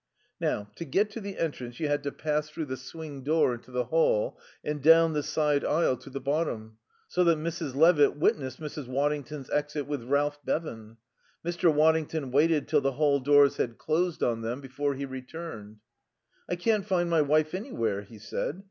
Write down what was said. Now to get to the entrance you had to pass through the swing door into the hall and down the side aisle to the bottom, so that Mrs. Levitt witnessed Mrs. Waddington's exit with Ralph Bevan. Mr. Waddington. waited till the hall doors had closed on them before he returned. "I can't find my wife anywhere," he said.